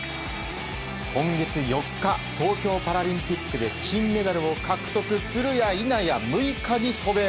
今月４日、東京パラリンピックで金メダルを獲得するやいなや６日に渡米。